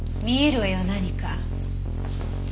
見えるわよ何か。